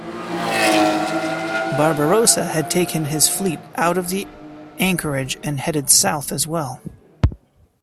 Barbarossa had taken his fleet out of the anchorage and headed south as well.